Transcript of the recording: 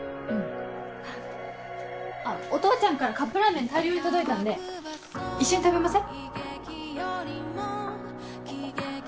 お父ちゃんからカップラーメン大量に届いたんで一緒に食べません？